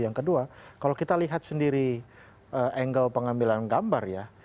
yang kedua kalau kita lihat sendiri angle pengambilan gambar ya